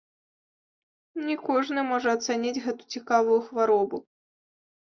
Не кожны можа ацаніць гэту цікавую хваробу.